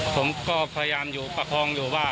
ผมก็พยายามอยู่ประคองอยู่ว่า